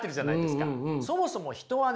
そもそも人はね